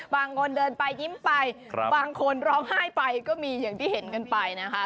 บางคนเดินไปยิ้มไปบางคนร้องไห้ไปก็มีอย่างที่เห็นกันไปนะคะ